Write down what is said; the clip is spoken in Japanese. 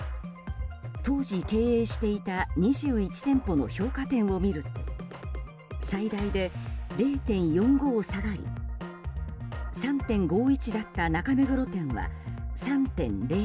当時経営していた２１店舗の評価点を見ると最大で０．４５下がり３．５１だった中目黒店は３．０６。